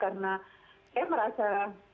karena saya merasa